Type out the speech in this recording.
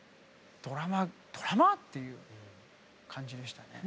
「ドラマドラマ？」っていう感じでしたね。